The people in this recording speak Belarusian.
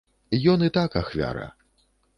Ён і так ахвяра.